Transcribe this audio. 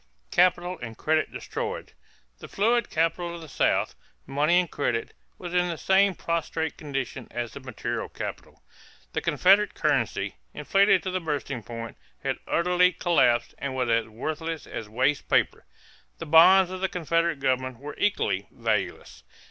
=Capital and Credit Destroyed.= The fluid capital of the South, money and credit, was in the same prostrate condition as the material capital. The Confederate currency, inflated to the bursting point, had utterly collapsed and was as worthless as waste paper. The bonds of the Confederate government were equally valueless.